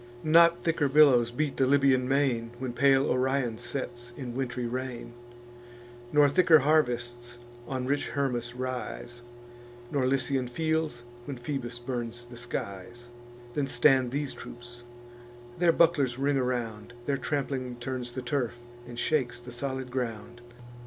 Not thicker billows beat the Libyan main, When pale Orion sets in wintry rain; Nor thicker harvests on rich Hermus rise, Or Lycian fields, when Phoebus burns the skies, Than stand these troops: their bucklers ring around; Their trampling turns the turf, and shakes the solid ground.